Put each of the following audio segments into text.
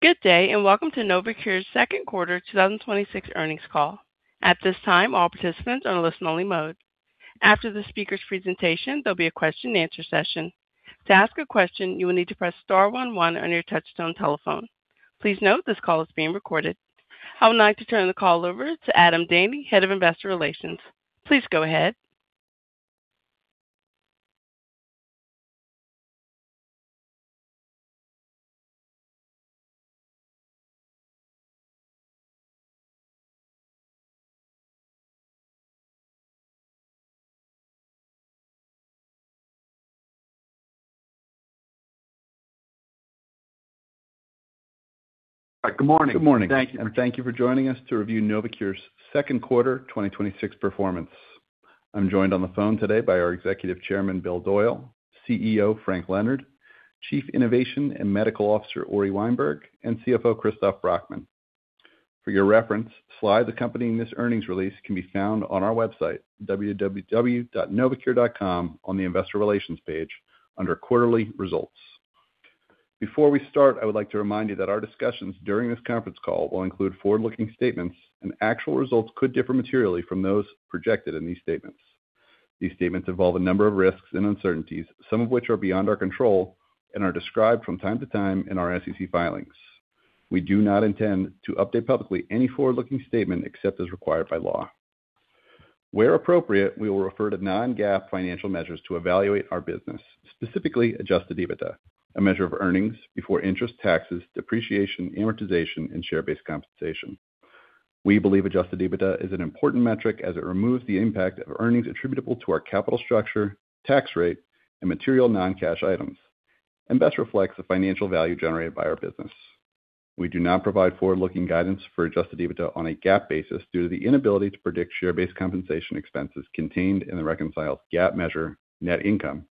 Good day, and welcome to Novocure's second quarter 2026 earnings call. At this time, all participants are in listen only mode. After the speaker's presentation, there'll be a question and answer session. To ask a question, you will need to press star one one on your touchtone telephone. Please note this call is being recorded. I would like to turn the call over to Adam Daney, Head of Investor Relations. Please go ahead. Good morning. Good morning, and thank you for joining us to review Novocure's second quarter 2026 performance. I'm joined on the phone today by our Executive Chairman, Bill Doyle, CEO, Frank Leonard, Chief Innovation and Medical Officer, Uri Weinberg, and CFO, Christoph Brackmann. For your reference, slides accompanying this earnings release can be found on our website www.Novocure.com on the Investor Relations page under Quarterly Results. Before we start, I would like to remind you that our discussions during this conference call will include forward-looking statements. Actual results could differ materially from those projected in these statements. These statements involve a number of risks and uncertainties, some of which are beyond our control and are described from time to time in our SEC filings. We do not intend to update publicly any forward-looking statement except as required by law. Where appropriate, we will refer to non-GAAP financial measures to evaluate our business, specifically adjusted EBITDA, a measure of earnings before interest, taxes, depreciation, amortization, and share-based compensation. We believe adjusted EBITDA is an important metric as it removes the impact of earnings attributable to our capital structure, tax rate, and material non-cash items. Best reflects the financial value generated by our business. We do not provide forward-looking guidance for adjusted EBITDA on a GAAP basis due to the inability to predict share-based compensation expenses contained in the reconciled GAAP measure net income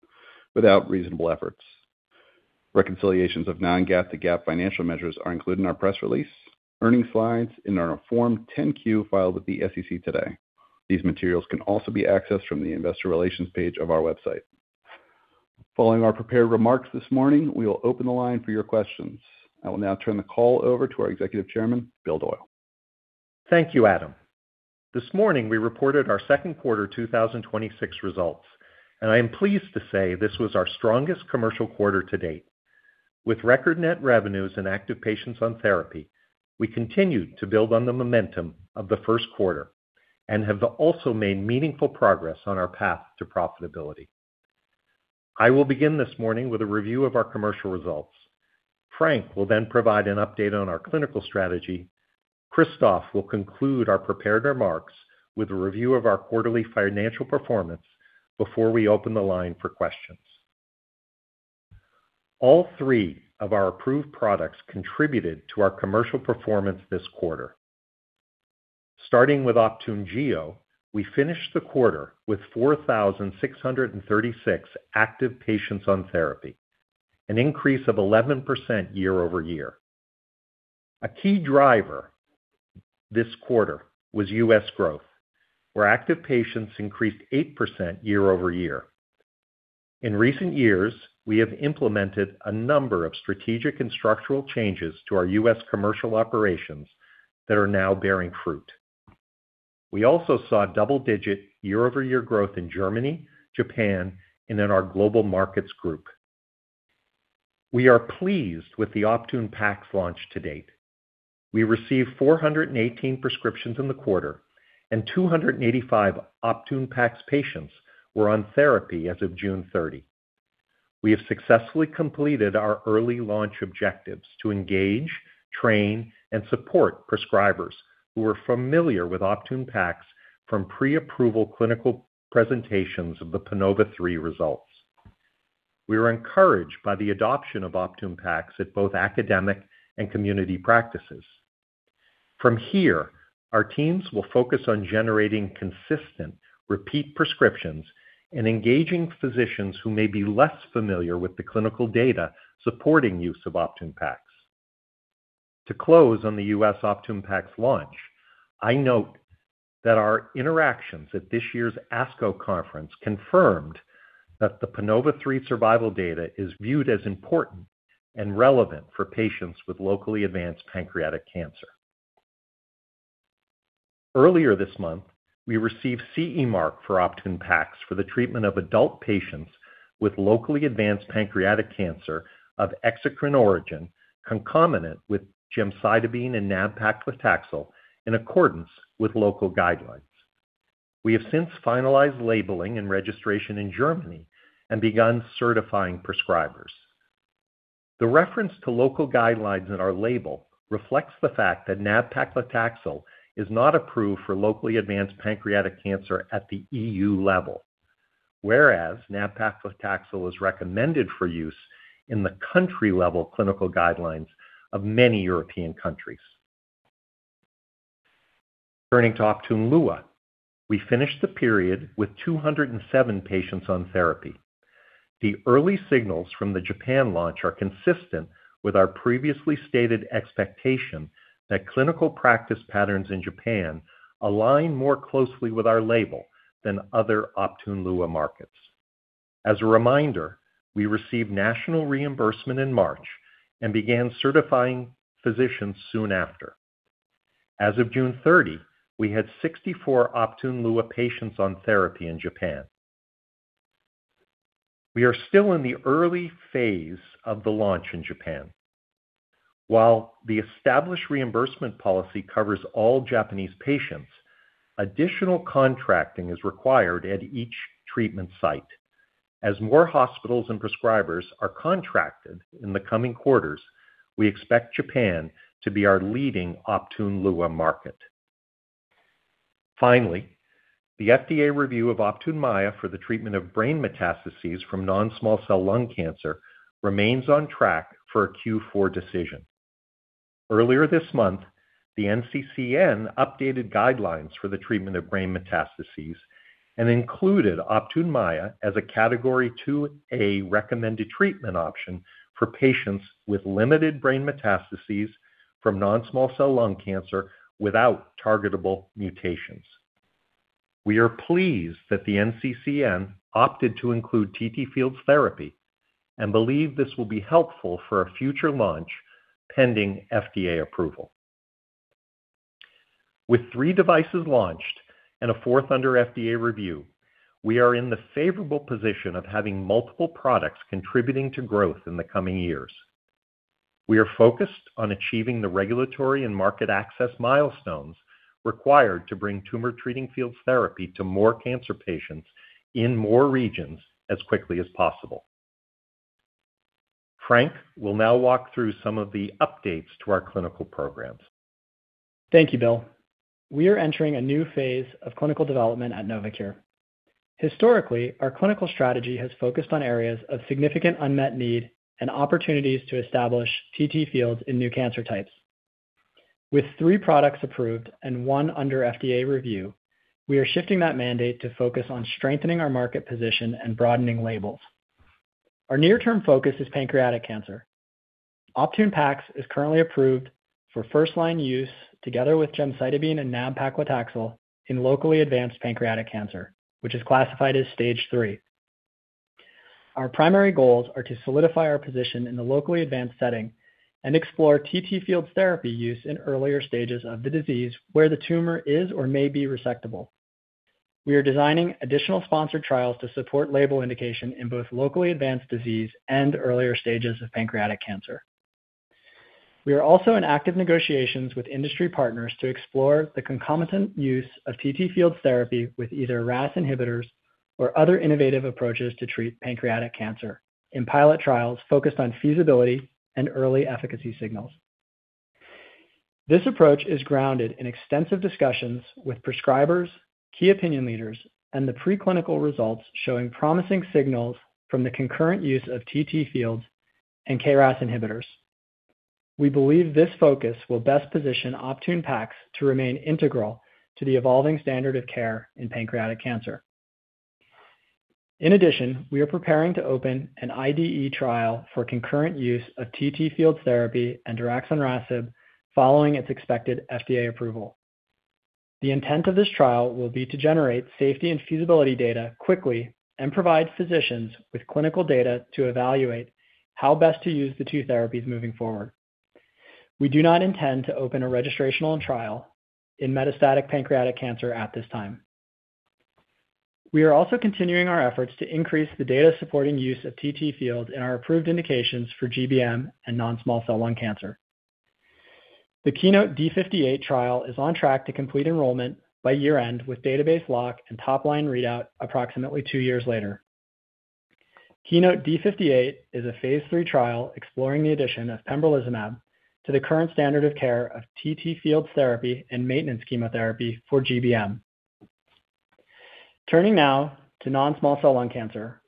without reasonable efforts. Reconciliations of non-GAAP to GAAP financial measures are included in our press release, earnings slides, and in our Form 10-Q filed with the SEC today. These materials can also be accessed from the Investor Relations page of our website. Following our prepared remarks this morning, we will open the line for your questions. I will now turn the call over to our Executive Chairman, Bill Doyle. Thank you, Adam. This morning we reported our second quarter 2026 results. I am pleased to say this was our strongest commercial quarter to date. With record net revenues and active patients on therapy, we continued to build on the momentum of the first quarter and have also made meaningful progress on our path to profitability. I will begin this morning with a review of our commercial results. Frank will provide an update on our clinical strategy. Christoph will conclude our prepared remarks with a review of our quarterly financial performance before we open the line for questions. All three of our approved products contributed to our commercial performance this quarter. Starting with Optune Gio, we finished the quarter with 4,636 active patients on therapy, an increase of 11% year-over-year. A key driver this quarter was U.S. growth, where active patients increased 8% year-over-year. In recent years, we have implemented a number of strategic and structural changes to our U.S. commercial operations that are now bearing fruit. We also saw double-digit year-over-year growth in Germany, Japan, and in our global markets group. We are pleased with the Optune Pax launch to date. We received 418 prescriptions in the quarter, and 285 Optune Pax patients were on therapy as of June 30. We have successfully completed our early launch objectives to engage, train, and support prescribers who are familiar with Optune Pax from pre-approval clinical presentations of the PANOVA-3 results. We were encouraged by the adoption of Optune Pax at both academic and community practices. From here, our teams will focus on generating consistent repeat prescriptions and engaging physicians who may be less familiar with the clinical data supporting use of Optune Pax. To close on the U.S. Optune Pax launch, I note that our interactions at this year's ASCO conference confirmed that the PANOVA-3 survival data is viewed as important and relevant for patients with locally advanced pancreatic cancer. Earlier this month, we received CE Mark for Optune Pax for the treatment of adult patients with locally advanced pancreatic cancer of exocrine origin concomitant with gemcitabine and nab-paclitaxel in accordance with local guidelines. We have since finalized labeling and registration in Germany and begun certifying prescribers. The reference to local guidelines in our label reflects the fact that nab-paclitaxel is not approved for locally advanced pancreatic cancer at the EU level, whereas nab-paclitaxel is recommended for use in the country-level clinical guidelines of many European countries. Turning to Optune Lua, we finished the period with 207 patients on therapy. The early signals from the Japan launch are consistent with our previously stated expectation that clinical practice patterns in Japan align more closely with our label than other Optune Lua markets. As a reminder, we received national reimbursement in March and began certifying physicians soon after. As of June 30, we had 64 Optune Lua patients on therapy in Japan. We are still in the early phase of the launch in Japan. While the established reimbursement policy covers all Japanese patients, additional contracting is required at each treatment site. As more hospitals and prescribers are contracted in the coming quarters, we expect Japan to be our leading Optune Lua market. Finally, the FDA review of Optune Mya for the treatment of brain metastases from non-small cell lung cancer remains on track for a Q4 decision. Earlier this month, the NCCN updated guidelines for the treatment of brain metastases and included Optune Mya as a Category 2A recommended treatment option for patients with limited brain metastases from non-small cell lung cancer without targetable mutations. We are pleased that the NCCN opted to include TTFields therapy and believe this will be helpful for a future launch pending FDA approval. With three devices launched and a fourth under FDA review, we are in the favorable position of having multiple products contributing to growth in the coming years. We are focused on achieving the regulatory and market access milestones required to bring Tumor Treating Fields therapy to more cancer patients in more regions as quickly as possible. Frank will now walk through some of the updates to our clinical programs. Thank you, Bill. We are entering a new phase of clinical development at Novocure. Historically, our clinical strategy has focused on areas of significant unmet need and opportunities to establish TTFields in new cancer types. With three products approved and one under FDA review, we are shifting that mandate to focus on strengthening our market position and broadening labels. Our near-term focus is pancreatic cancer. Optune Pax is currently approved for first line use together with gemcitabine and nab-paclitaxel in locally advanced pancreatic cancer, which is classified as stage 3. Our primary goals are to solidify our position in the locally advanced setting and explore TTFields therapy use in earlier stages of the disease, where the tumor is or may be resectable. We are designing additional sponsored trials to support label indication in both locally advanced disease and earlier stages of pancreatic cancer. We are also in active negotiations with industry partners to explore the concomitant use of TTFields therapy with either RAS inhibitors or other innovative approaches to treat pancreatic cancer in pilot trials focused on feasibility and early efficacy signals. This approach is grounded in extensive discussions with prescribers, key opinion leaders, and the preclinical results showing promising signals from the concurrent use of TTFields and KRAS inhibitors. We believe this focus will best position Optune Pax to remain integral to the evolving standard of care in pancreatic cancer. In addition, we are preparing to open an IDE trial for concurrent use of TTFields therapy and divarasib following its expected FDA approval. The intent of this trial will be to generate safety and feasibility data quickly and provide physicians with clinical data to evaluate how best to use the two therapies moving forward. We do not intend to open a registrational trial in metastatic pancreatic cancer at this time. We are also continuing our efforts to increase the data supporting use of TTFields in our approved indications for GBM and non-small cell lung cancer. The KEYNOTE-D58 trial is on track to complete enrollment by year-end with database lock and top-line readout approximately two years later. KEYNOTE-D58 is a phase III trial exploring the addition of pembrolizumab to the current standard of care of TTFields therapy and maintenance chemotherapy for GBM. Turning now to non-small cell lung cancer.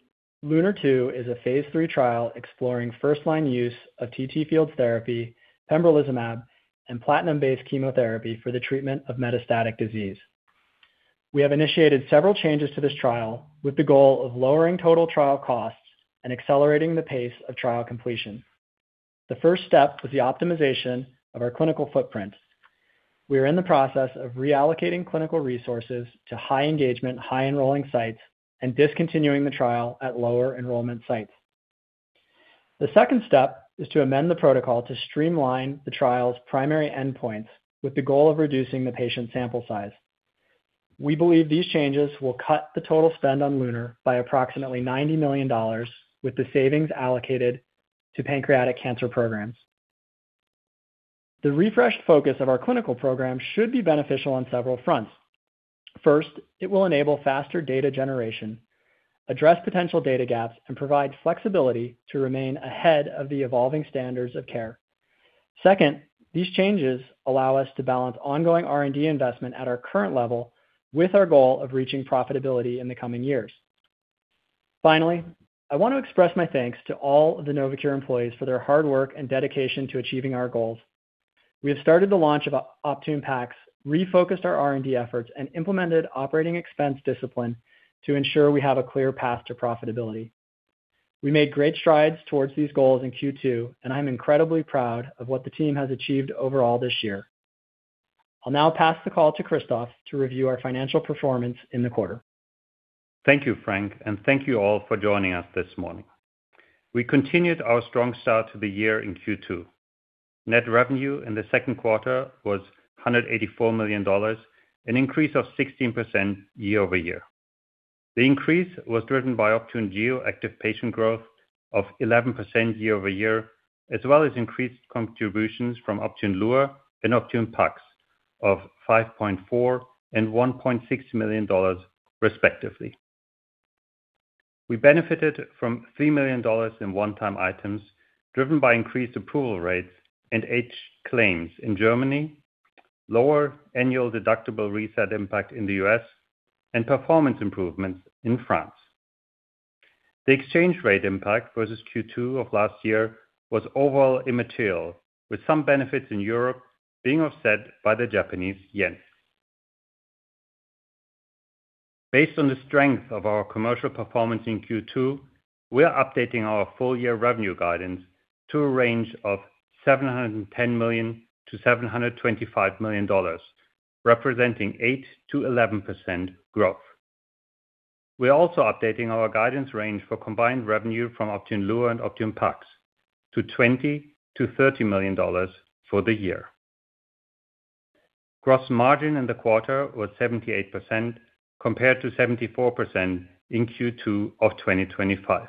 LUNAR-2 is a phase III trial exploring first-line use of TTFields therapy, pembrolizumab, and platinum-based chemotherapy for the treatment of metastatic disease. We have initiated several changes to this trial with the goal of lowering total trial costs and accelerating the pace of trial completion. The first step was the optimization of our clinical footprint. We are in the process of reallocating clinical resources to high engagement, high enrolling sites and discontinuing the trial at lower enrollment sites. The second step is to amend the protocol to streamline the trial's primary endpoints with the goal of reducing the patient sample size. We believe these changes will cut the total spend on LUNAR by approximately $90 million with the savings allocated to pancreatic cancer programs. The refreshed focus of our clinical program should be beneficial on several fronts. First, it will enable faster data generation, address potential data gaps, and provide flexibility to remain ahead of the evolving standards of care. Second, these changes allow us to balance ongoing R&D investment at our current level with our goal of reaching profitability in the coming years. Finally, I want to express my thanks to all of the Novocure employees for their hard work and dedication to achieving our goals. We have started the launch of Optune Pax, refocused our R&D efforts, and implemented operating expense discipline to ensure we have a clear path to profitability. We made great strides towards these goals in Q2. I'm incredibly proud of what the team has achieved overall this year. I'll now pass the call to Christoph to review our financial performance in the quarter. Thank you, Frank. Thank you all for joining us this morning. We continued our strong start to the year in Q2. Net revenue in the second quarter was $184 million, an increase of 16% year-over-year. The increase was driven by Optune Gio active patient growth of 11% year-over-year, as well as increased contributions from Optune Lua and Optune Pax of $5.4 million and $1.6 million, respectively. We benefited from $3 million in one-time items driven by increased approval rates and aged claims in Germany, lower annual deductible reset impact in the U.S., and performance improvements in France. The exchange rate impact versus Q2 of last year was overall immaterial, with some benefits in Europe being offset by the Japanese yen. Based on the strength of our commercial performance in Q2, we're updating our full year revenue guidance to a range of $710 million-$725 million, representing 8%-11% growth. We are also updating our guidance range for combined revenue from Optune Lua and Optune Pax to $20 million-$30 million for the year. Gross margin in the quarter was 78%, compared to 74% in Q2 of 2025.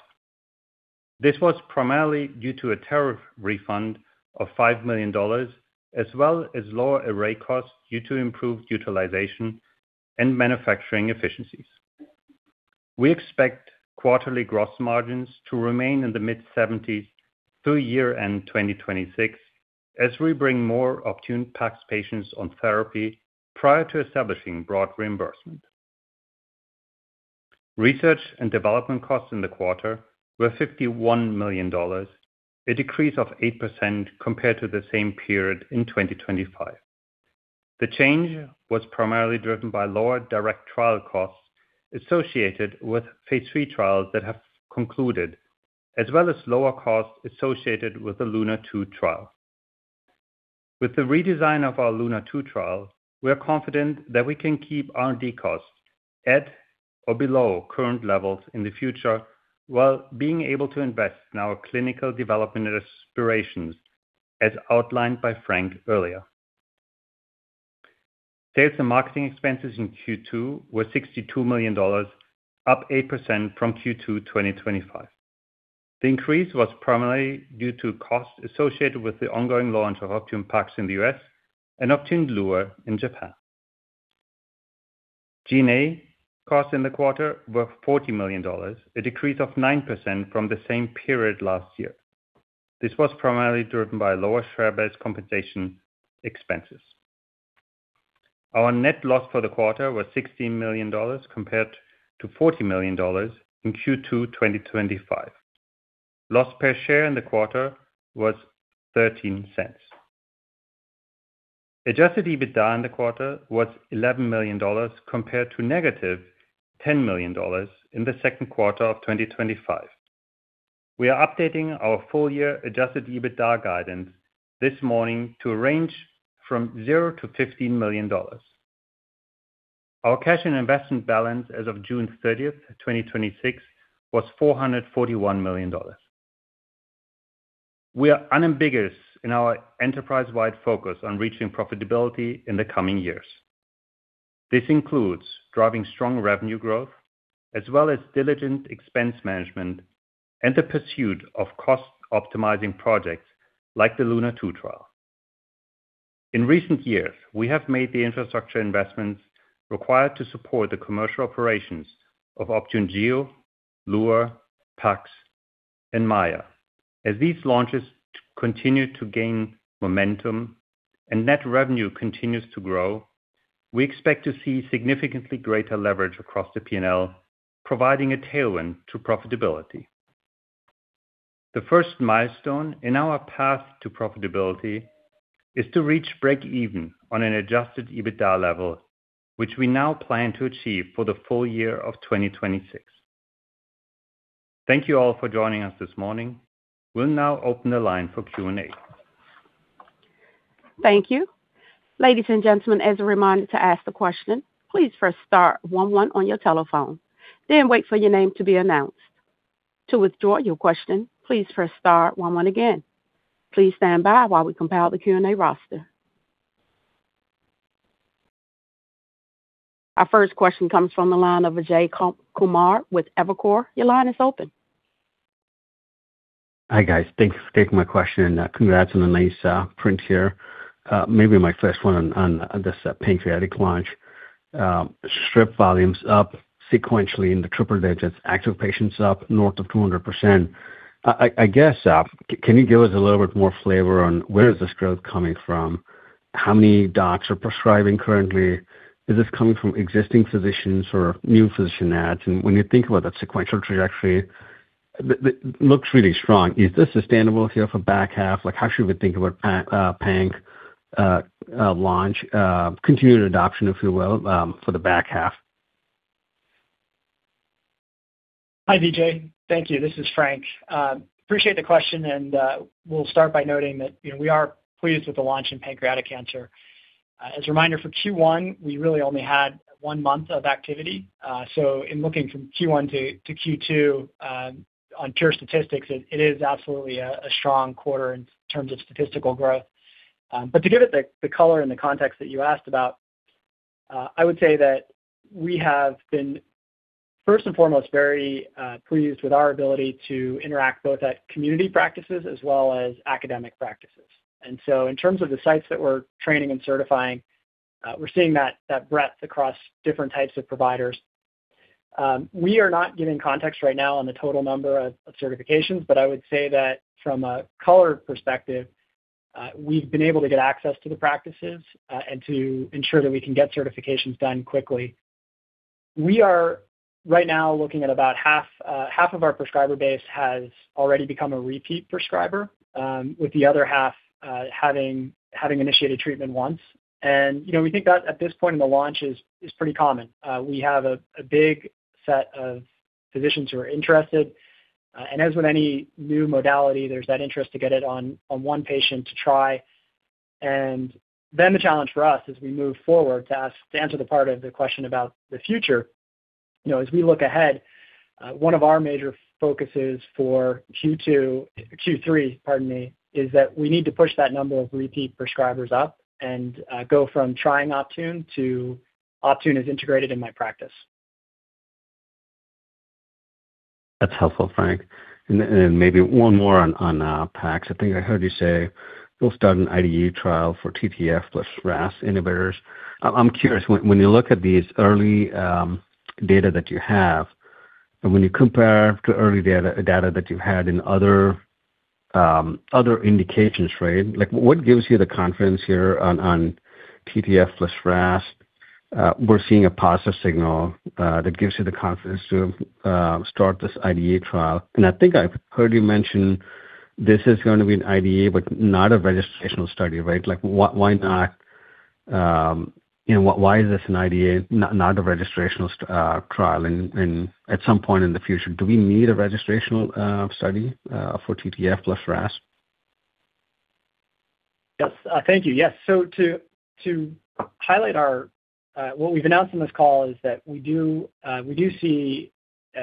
This was primarily due to a tariff refund of $5 million, as well as lower array costs due to improved utilization and manufacturing efficiencies. We expect quarterly gross margins to remain in the mid-70s through year-end 2026 as we bring more Optune Pax patients on therapy prior to establishing broad reimbursement. Research and development costs in the quarter were $51 million, a decrease of 8% compared to the same period in 2025. The change was primarily driven by lower direct trial costs associated with phase III trials that have concluded, as well as lower costs associated with the LUNAR-2 trial. With the redesign of our LUNAR-2 trial, we are confident that we can keep R&D costs at or below current levels in the future while being able to invest in our clinical development aspirations, as outlined by Frank earlier. Sales and marketing expenses in Q2 were $62 million, up 8% from Q2 2025. The increase was primarily due to costs associated with the ongoing launch of Optune Pax in the U.S. and Optune Lua in Japan. G&A costs in the quarter were $40 million, a decrease of 9% from the same period last year. This was primarily driven by lower share-based compensation expenses. Our net loss for the quarter was $16 million compared to $40 million in Q2 2025. Loss per share in the quarter was $0.13. Adjusted EBITDA in the quarter was $11 million, compared to -$10 million in the second quarter of 2025. We are updating our full year adjusted EBITDA guidance this morning to a range from $0 million-$15 million. Our cash and investment balance as of June 30th, 2026, was $441 million. We are unambiguous in our enterprise-wide focus on reaching profitability in the coming years. This includes driving strong revenue growth as well as diligent expense management and the pursuit of cost-optimizing projects like the LUNAR-2 trial. In recent years, we have made the infrastructure investments required to support the commercial operations of Optune Gio, Lua, Pax, and Mya. As these launches continue to gain momentum and net revenue continues to grow, we expect to see significantly greater leverage across the P&L, providing a tailwind to profitability. The first milestone in our path to profitability is to reach break even on an adjusted EBITDA level, which we now plan to achieve for the full year of 2026. Thank you all for joining us this morning. We'll now open the line for Q&A. Thank you. Ladies and gentlemen, as a reminder to ask the question, please press star one one on your telephone, then wait for your name to be announced. To withdraw your question, please press star one one again. Please stand by while we compile the Q&A roster. Our first question comes from the line of Vijay Kumar with Evercore. Your line is open. Hi, guys. Thanks for taking my question. Congrats on the nice print here. Maybe my first one on just the pancreatic launch. Strip volumes up sequentially in the triple digits, active patients up north of 200%. I guess, can you give us a little bit more flavor on where is this growth coming from? How many docs are prescribing currently? Is this coming from existing physicians or new physician adds? When you think about that sequential trajectory, it looks really strong. Is this sustainable here for back half? Like how should we think about pancreatic launch, continued adoption, if you will, for the back half? Hi, Vijay. Thank you. This is Frank. Appreciate the question. We'll start by noting that we are pleased with the launch in pancreatic cancer. As a reminder, for Q1, we really only had one month of activity. In looking from Q1 to Q2 on pure statistics, it is absolutely a strong quarter in terms of statistical growth. To give it the color and the context that you asked about, I would say that we have been first and foremost very pleased with our ability to interact both at community practices as well as academic practices. In terms of the sites that we're training and certifying, we're seeing that breadth across different types of providers. We are not giving context right now on the total number of certifications. I would say that from a color perspective, we've been able to get access to the practices and to ensure that we can get certifications done quickly. We are right now looking at about half of our prescriber base has already become a repeat prescriber, with the other half having initiated treatment once. We think that at this point in the launch is pretty common. We have a big set of physicians who are interested. As with any new modality, there's that interest to get it on one patient to try, and then the challenge for us as we move forward to answer the part of the question about the future. As we look ahead, one of our major focuses for Q2, Q3, pardon me, is that we need to push that number of repeat prescribers up and go from trying Optune to Optune is integrated in my practice. That's helpful, Frank. Then maybe one more on Pax. I think I heard you say you'll start an IDE trial for TTField plus RAS inhibitors. I'm curious, when you look at these early data that you have and when you compare to early data that you had in other indications, right? What gives you the confidence here on TTField plus RAS? We're seeing a positive signal that gives you the confidence to start this IDE trial. I think I've heard you mention this is going to be an IDE, but not a registrational study, right? Why is this an IDE, not a registrational trial? At some point in the future, do we need a registrational study for TTField plus RAS? Yes. Thank you. Yes. To highlight what we've announced on this call is that we do see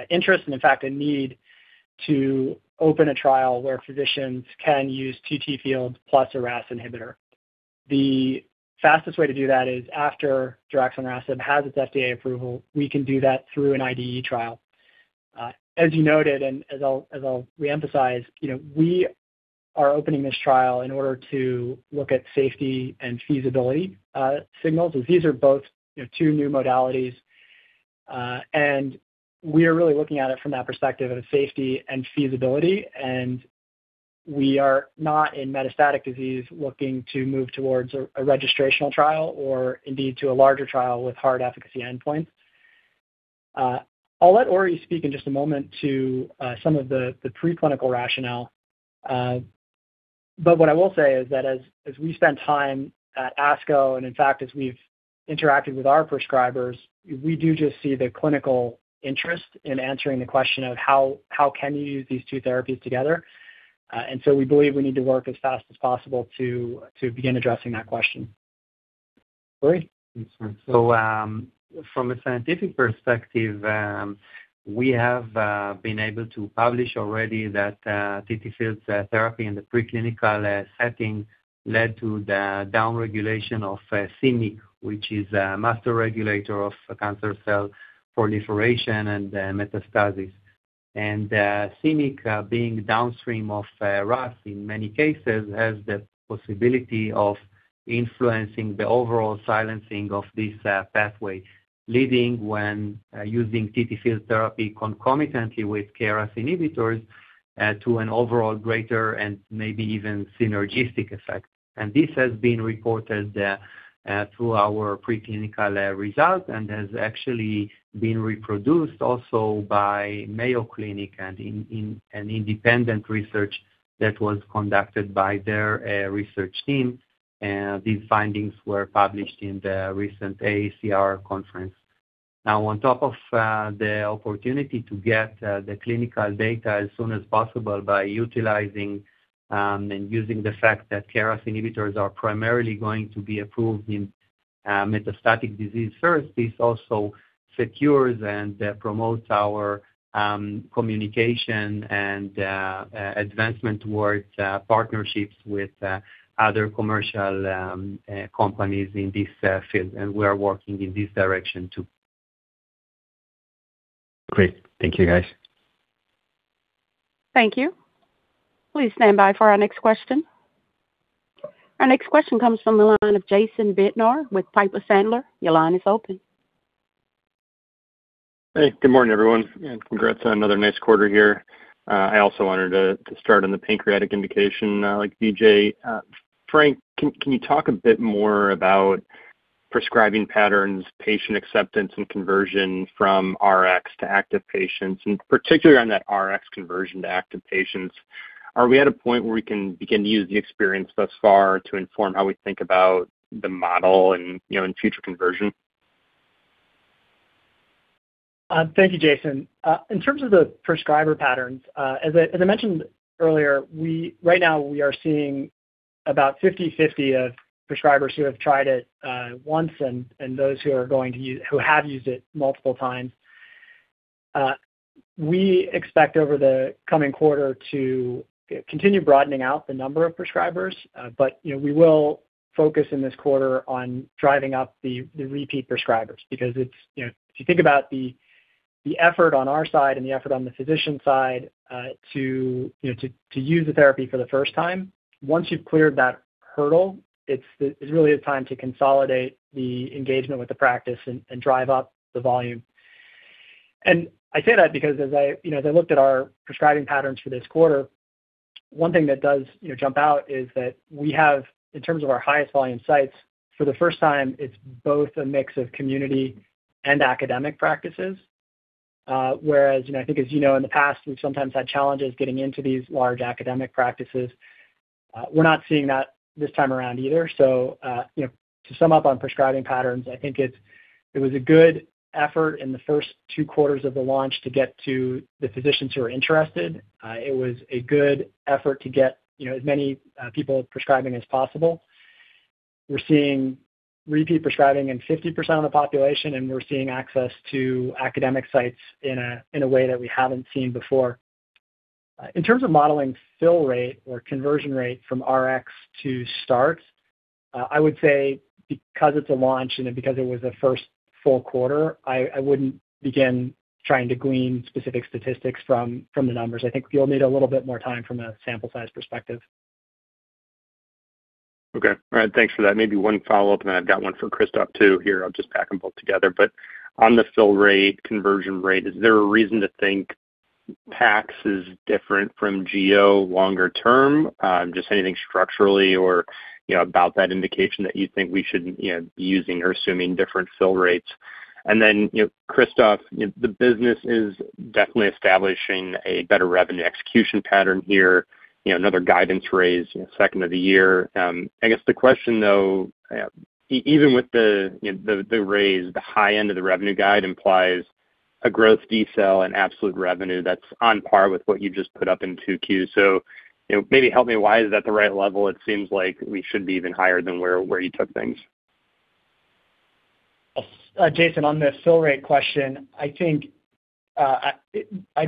interest and, in fact, a need to open a trial where physicians can use TTField plus a RAS inhibitor. The fastest way to do that is after divarasib has its FDA approval, we can do that through an IDE trial. As you noted, as I'll reemphasize, we are opening this trial in order to look at safety and feasibility signals. These are both two new modalities, and we are really looking at it from that perspective of safety and feasibility, and we are not in metastatic disease looking to move towards a registrational trial or indeed to a larger trial with hard efficacy endpoints. I'll let Uri speak in just a moment to some of the preclinical rationale. What I will say is that as we spend time at ASCO and, in fact, as we've interacted with our prescribers, we do just see the clinical interest in answering the question of how can you use these two therapies together. We believe we need to work as fast as possible to begin addressing that question. Uri? Thanks, Frank. From a scientific perspective, we have been able to publish already that TTFields therapy in the preclinical setting led to the downregulation of c-Myc, which is a master regulator of cancer cell proliferation and metastasis. c-Myc being downstream of RAS in many cases has the possibility of influencing the overall silencing of this pathway, leading when using TTFields therapy concomitantly with KRAS inhibitors to an overall greater and maybe even synergistic effect. This has been reported through our preclinical results and has actually been reproduced also by Mayo Clinic and in an independent research that was conducted by their research team. These findings were published in the recent AACR conference. On top of the opportunity to get the clinical data as soon as possible by utilizing and using the fact that KRAS inhibitors are primarily going to be approved in metastatic disease first, this also secures and promotes our communication and advancement towards partnerships with other commercial companies in this field, and we are working in this direction too. Great. Thank you, guys. Thank you. Please stand by for our next question. Our next question comes from the line of Jason Bednar with Piper Sandler. Your line is open. Good morning, everyone, congrats on another nice quarter here. I also wanted to start on the pancreatic indication like Vijay. Frank, can you talk a bit more about prescribing patterns, patient acceptance, and conversion from Rx to active patients, and particularly on that Rx conversion to active patients? Are we at a point where we can begin to use the experience thus far to inform how we think about the model and future conversion? Thank you, Jason. In terms of the prescriber patterns, as I mentioned earlier, right now we are seeing about 50/50 of prescribers who have tried it once and those who have used it multiple times. We expect over the coming quarter to continue broadening out the number of prescribers. We will focus in this quarter on driving up the repeat prescribers, because if you think about the effort on our side and the effort on the physician side to use the therapy for the first time, once you've cleared that hurdle, it's really a time to consolidate the engagement with the practice and drive up the volume. I say that because as I looked at our prescribing patterns for this quarter, one thing that does jump out is that we have, in terms of our highest volume sites, for the first time, it's both a mix of community and academic practices. Whereas I think as you know, in the past, we've sometimes had challenges getting into these large academic practices. We're not seeing that this time around either. To sum up on prescribing patterns, I think it was a good effort in the first two quarters of the launch to get to the physicians who are interested. It was a good effort to get as many people prescribing as possible. We're seeing repeat prescribing in 50% of the population, and we're seeing access to academic sites in a way that we haven't seen before. In terms of modeling fill rate or conversion rate from Rx to start, I would say because it's a launch and because it was a first full quarter, I wouldn't begin trying to glean specific statistics from the numbers. I think we all need a little bit more time from a sample size perspective. Okay. All right. Thanks for that. Maybe one follow-up, and then I've got one for Christoph too here. I'll just pack them both together. On the fill rate, conversion rate, is there a reason to think Pax is different from Gio longer term? Just anything structurally or about that indication that you think we should be using or assuming different fill rates. Then, Christoph, the business is definitely establishing a better revenue execution pattern here. Another guidance raise, second of the year. I guess the question though, even with the raise, the high end of the revenue guide implies a growth decel in absolute revenue that's on par with what you just put up in 2Q. Maybe help me why is that the right level? It seems like we should be even higher than where you took things. Jason, on the fill rate question, I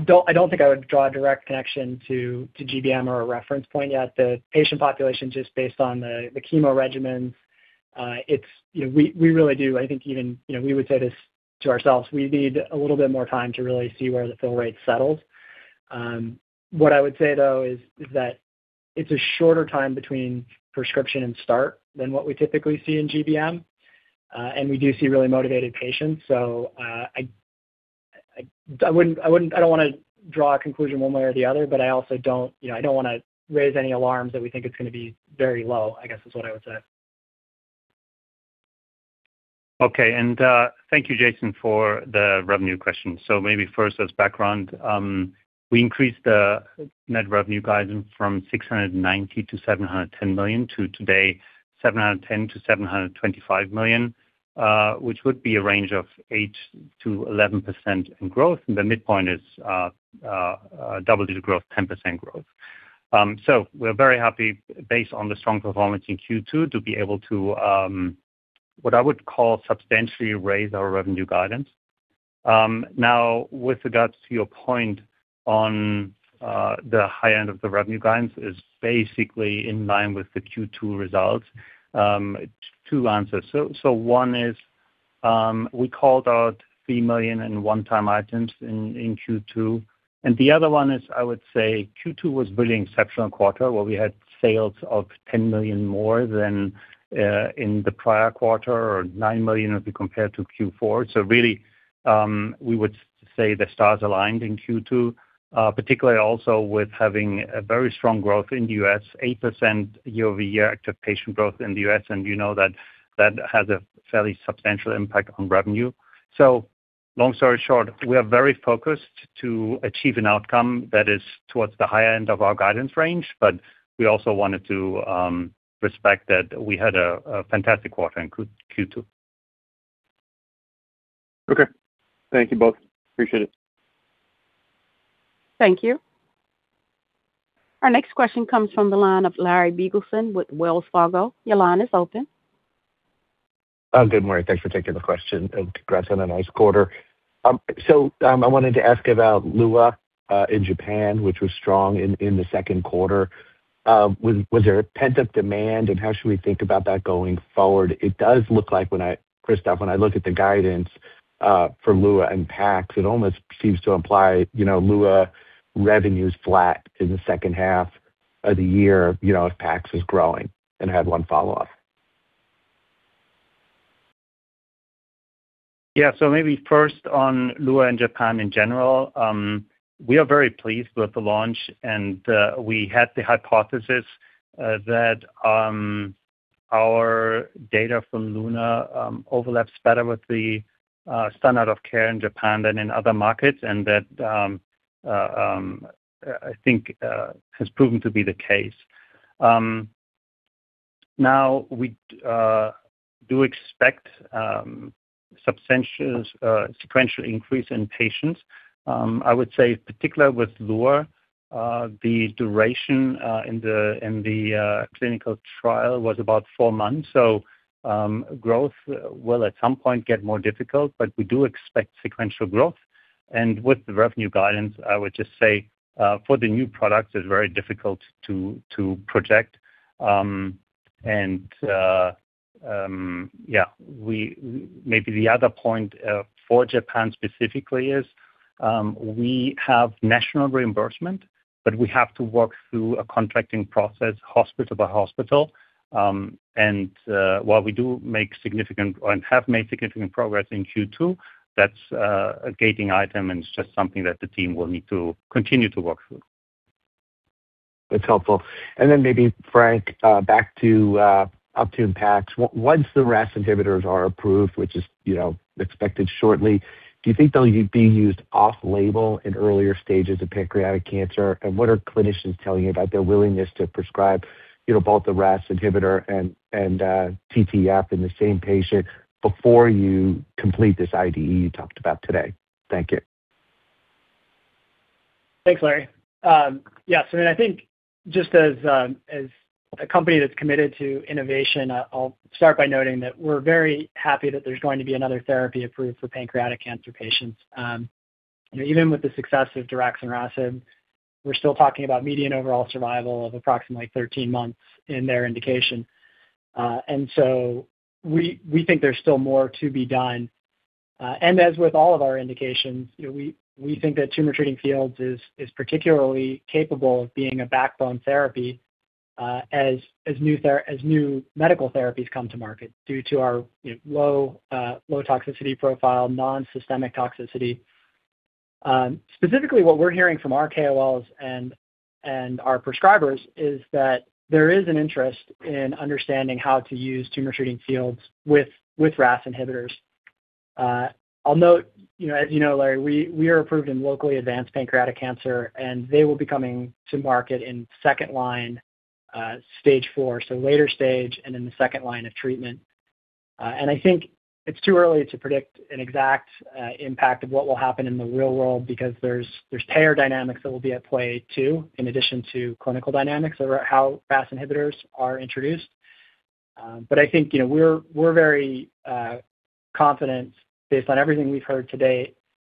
don't think I would draw a direct connection to GBM or a reference point yet. The patient population, just based on the chemo regimens, we would say this to ourselves. We need a little bit more time to really see where the fill rate settles. What I would say though is that it's a shorter time between prescription and start than what we typically see in GBM, and we do see really motivated patients. I don't want to draw a conclusion one way or the other, but I don't want to raise any alarms that we think it's going to be very low, I guess is what I would say. Okay. Thank you, Jason, for the revenue question. Maybe first as background, we increased the net revenue guidance from $690 million-$710 million to today, $710 million-$725 million, which would be a range of 8%-11% in growth. The midpoint is double-digit growth, 10% growth. We're very happy based on the strong performance in Q2 to be able to, what I would call substantially raise our revenue guidance. Now with regards to your point on the high end of the revenue guidance is basically in line with the Q2 results. Two answers. One is, we called out $3 million in one-time items in Q2, and the other one is I would say Q2 was really exceptional quarter where we had sales of $10 million more than in the prior quarter or $9 million if we compare to Q4. Really, we would say the stars aligned in Q2, particularly also with having a very strong growth in the U.S., 8% year-over-year active patient growth in the U.S., and you know that has a fairly substantial impact on revenue. Long story short, we are very focused to achieve an outcome that is towards the high end of our guidance range, but we also wanted to respect that we had a fantastic quarter in Q2. Okay. Thank you both. Appreciate it. Thank you. Our next question comes from the line of Larry Biegelsen with Wells Fargo. Your line is open. Good morning. Thanks for taking the question, and congrats on a nice quarter. I wanted to ask about Lua in Japan, which was strong in the second quarter. Was there a pent-up demand, and how should we think about that going forward? It does look like, Christoph, when I look at the guidance for Lua and Pax, it almost seems to imply Lua revenue's flat in the second half of the year if Pax is growing. I have one follow-up. Yeah. Maybe first on Lua and Japan in general. We are very pleased with the launch, and we had the hypothesis that our data from LUNAR overlaps better with the standard of care in Japan than in other markets, and that, I think, has proven to be the case. Now we do expect a substantial sequential increase in patients. I would say particularly with LUNAR, the duration in the clinical trial was about four months. Growth will at some point get more difficult. We do expect sequential growth. With the revenue guidance, I would just say for the new products, it's very difficult to project. Yeah. Maybe the other point for Japan specifically is we have national reimbursement, but we have to work through a contracting process hospital by hospital. While we do make significant and have made significant progress in Q2, that's a gating item and it's just something that the team will need to continue to work through. That's helpful. Maybe Frank, back to Optune Pax. Once the RAS inhibitors are approved, which is expected shortly, do you think they'll be used off-label in earlier stages of pancreatic cancer? What are clinicians telling you about their willingness to prescribe both the RAS inhibitor and TTFields in the same patient before you complete this IDE you talked about today? Thank you. Thanks, Larry. Just as a company that's committed to innovation, I'll start by noting that we're very happy that there's going to be another therapy approved for pancreatic cancer patients. Even with the success of divarasib, we're still talking about median overall survival of approximately 13 months in their indication. We think there's still more to be done. As with all of our indications, we think that Tumor Treating Fields is particularly capable of being a backbone therapy as new medical therapies come to market due to our low toxicity profile, non-systemic toxicity. Specifically what we're hearing from our KOLs and our prescribers is that there is an interest in understanding how to use Tumor Treating Fields with RAS inhibitors. I'll note, as you know Larry, we are approved in locally advanced pancreatic cancer, and they will be coming to market in second line, stage 4, so later stage and in the second line of treatment. I think it's too early to predict an exact impact of what will happen in the real world because there's payer dynamics that will be at play too, in addition to clinical dynamics around how RAS inhibitors are introduced. I think we're very confident based on everything we've heard to date,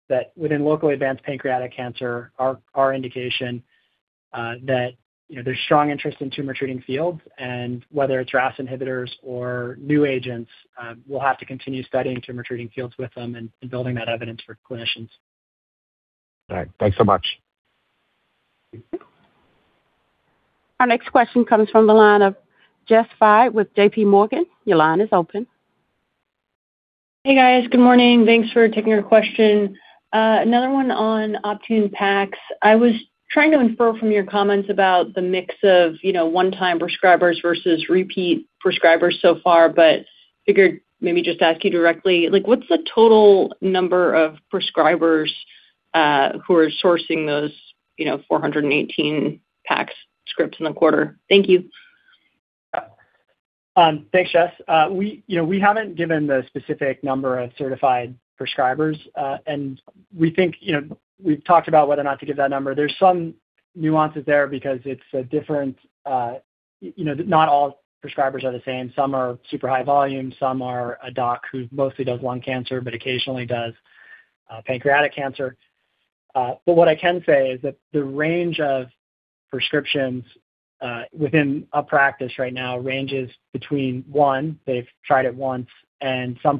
that within locally advanced pancreatic cancer, our indication that there's strong interest in Tumor Treating Fields and whether it's RAS inhibitors or new agents, we'll have to continue studying Tumor Treating Fields with them and building that evidence for clinicians. All right. Thanks so much. Thank you. Our next question comes from the line of Jess Fye with JPMorgan. Your line is open. Hey, guys. Good morning. Thanks for taking our question. Another one on Optune Pax. I was trying to infer from your comments about the mix of one-time prescribers versus repeat prescribers so far, but figured maybe just ask you directly, what's the total number of prescribers who are sourcing those 418 Pax scripts in the quarter? Thank you. Yeah. Thanks, Jess. We haven't given the specific number of certified prescribers. We've talked about whether or not to give that number. There's some nuances there because it's different, not all prescribers are the same. Some are super high volume. Some are a doc who mostly does lung cancer, but occasionally does pancreatic cancer. What I can say is that the range of prescriptions within a practice right now ranges between one, they've tried it once, and some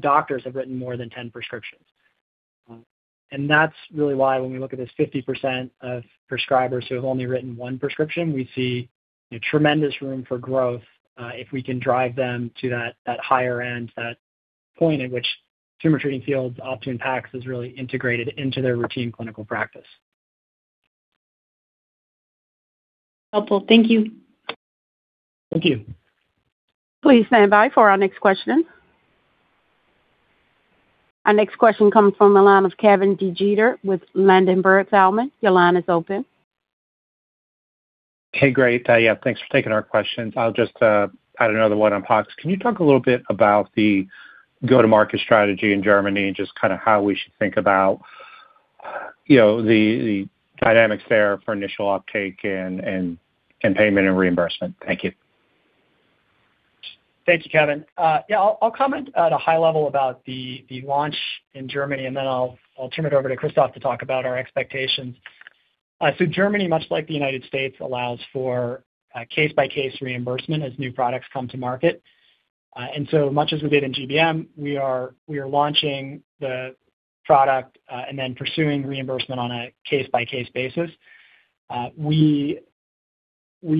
doctors have written more than 10 prescriptions. That's really why when we look at this 50% of prescribers who have only written one prescription, we see tremendous room for growth if we can drive them to that higher end, that point at which Tumor Treating Fields Optune Pax is really integrated into their routine clinical practice. Helpful. Thank you. Thank you. Please stand by for our next question. Our next question comes from the line of Kevin DeGeeter with Ladenburg Thalmann. Your line is open. Hey. Great. Yeah, thanks for taking our questions. I'll just add another one on Pax. Can you talk a little bit about the go-to-market strategy in Germany and just how we should think about the dynamics there for initial uptake and payment and reimbursement? Thank you. Thank you, Kevin. I'll comment at a high level about the launch in Germany, then I'll turn it over to Christoph to talk about our expectations. Germany, much like the United States, allows for case-by-case reimbursement as new products come to market. Much as we did in GBM, we are launching the product and then pursuing reimbursement on a case-by-case basis. We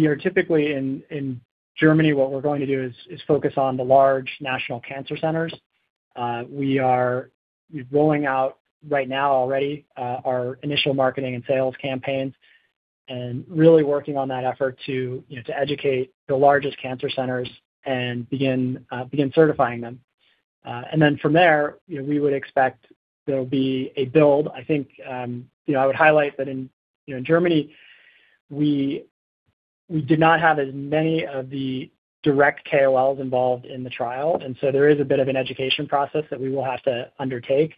are typically in Germany, what we're going to do is focus on the large national cancer centers. We are rolling out right now already our initial marketing and sales campaigns and really working on that effort to educate the largest cancer centers and begin certifying them. From there, we would expect there'll be a build. I think, I would highlight that in Germany, we did not have as many of the direct KOLs involved in the trial, there is a bit of an education process that we will have to undertake.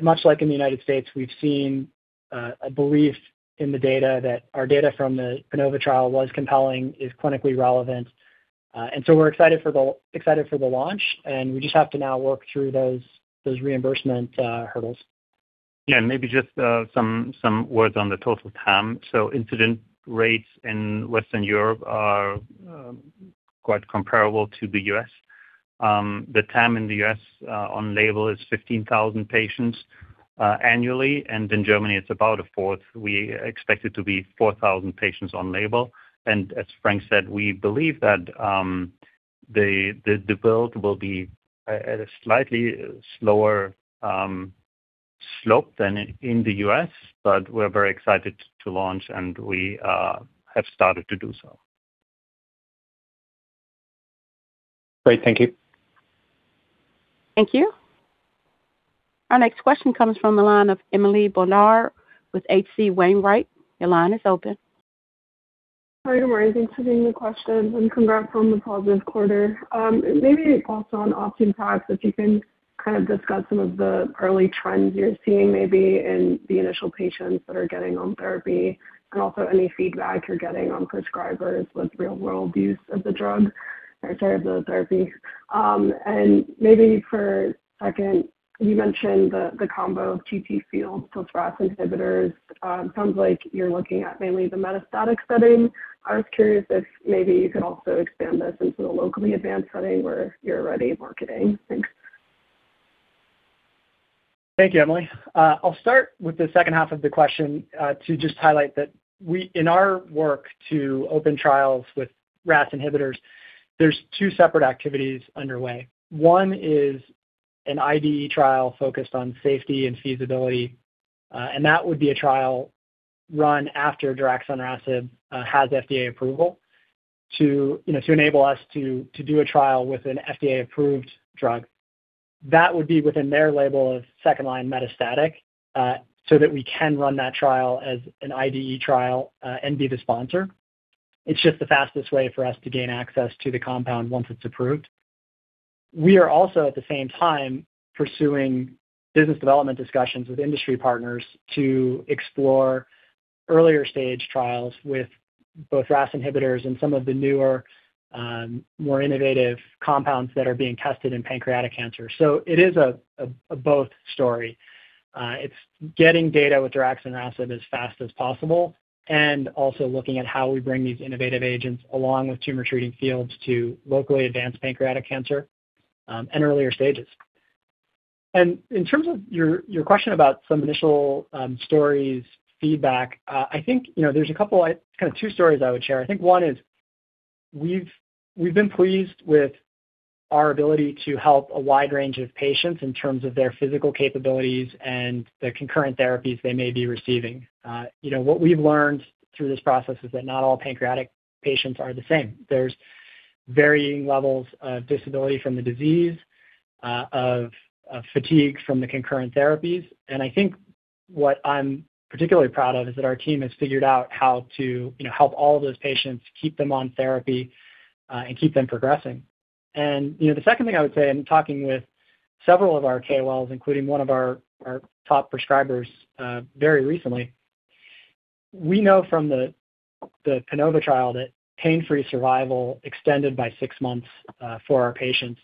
Much like in the United States, we've seen a belief in the data, that our data from the PANOVA trial was compelling, is clinically relevant. We're excited for the launch, and we just have to now work through those reimbursement hurdles. Maybe just some words on the total TAM. Incident rates in Western Europe are quite comparable to the U.S. The TAM in the U.S. on label is 15,000 patients annually, and in Germany it's about a fourth. We expect it to be 4,000 patients on label. As Frank said, we believe that the build will be at a slightly slower slope than in the U.S. We're very excited to launch and we have started to do so. Great. Thank you. Thank you. Our next question comes from the line of Emily Bodnar with H.C. Wainwright. Your line is open. Hi, good morning. Thanks for taking the questions, congrats on the positive quarter. Maybe also on Optune Pax, if you can kind of discuss some of the early trends you're seeing, maybe in the initial patients that are getting on therapy, also any feedback you're getting on prescribers with real-world use of the drug or sorry, the therapy. Maybe for a second, you mentioned the combo of TTFields, RAS inhibitors. Sounds like you're looking at mainly the metastatic setting. I was curious if maybe you could also expand this into the locally advanced setting where you're already marketing. Thanks. Thank you, Emily. I'll start with the second half of the question, to just highlight that in our work to open trials with RAS inhibitors, there's two separate activities underway. One is an IDE trial focused on safety and feasibility, that would be a trial run after divarasib has FDA approval to enable us to do a trial with an FDA-approved drug. That would be within their label of second-line metastatic, so that we can run that trial as an IDE trial, and be the sponsor. It's just the fastest way for us to gain access to the compound once it's approved. We are also, at the same time, pursuing business development discussions with industry partners to explore earlier stage trials with both RAS inhibitors and some of the newer, more innovative compounds that are being tested in pancreatic cancer. It is a both story. It's getting data with divarasib as fast as possible, also looking at how we bring these innovative agents along with Tumor Treating Fields to locally advanced pancreatic cancer, and earlier stages. In terms of your question about some initial stories, feedback, I think there's a couple, kind of two stories I would share. I think one is we've been pleased with our ability to help a wide range of patients in terms of their physical capabilities and the concurrent therapies they may be receiving. What we've learned through this process is that not all pancreatic patients are the same. There's varying levels of disability from the disease, of fatigue from the concurrent therapies. I think what I'm particularly proud of is that our team has figured how to help all of those patients, keep them on therapy, and keep them progressing. The second thing I would say, in talking with several of our KOLs, including one of our top prescribers very recently, we know from the PANOVA trial that pain-free survival extended by six months for our patients.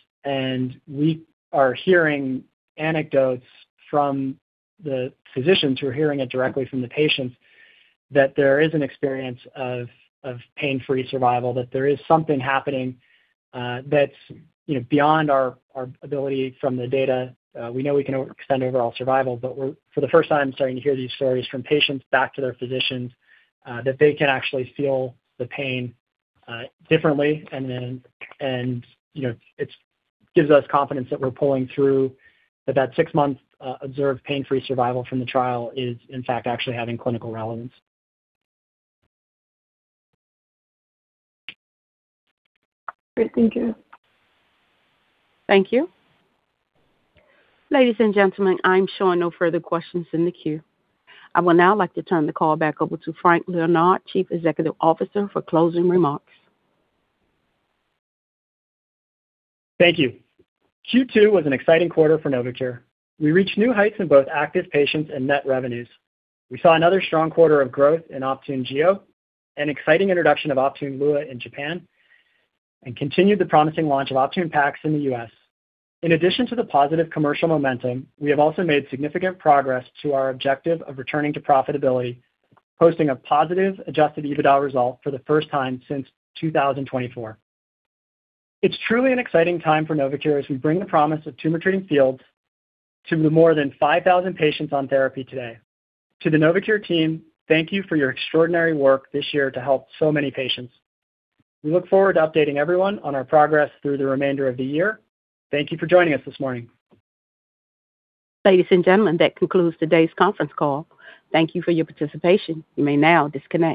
We are hearing anecdotes from the physicians who are hearing it directly from the patients, that there is an experience of pain-free survival, that there is something happening, that's beyond our ability from the data. We know we can extend overall survival, we're, for the first time, starting to hear these stories from patients back to their physicians, that they can actually feel the pain differently. It gives us confidence that we're pulling through, that six months observed pain-free survival from the trial is in fact actually having clinical relevance. Great. Thank you. Thank you. Ladies and gentlemen, I'm showing no further questions in the queue. I would now like to turn the call back over to Frank Leonard, Chief Executive Officer, for closing remarks. Thank you. Q2 was an exciting quarter for Novocure. We reached new heights in both active patients and net revenues. We saw another strong quarter of growth in Optune Gio, an exciting introduction of Optune Lua in Japan, and continued the promising launch of Optune Pax in the U.S. In addition to the positive commercial momentum, we have also made significant progress to our objective of returning to profitability, posting a positive adjusted EBITDA result for the first time since 2024. It's truly an exciting time for Novocure as we bring the promise of Tumor Treating Fields to the more than 5,000 patients on therapy today. To the Novocure team, thank you for your extraordinary work this year to help so many patients. We look forward to updating everyone on our progress through the remainder of the year. Thank you for joining us this morning. Ladies and gentlemen, that concludes today's conference call. Thank you for your participation. You may now disconnect.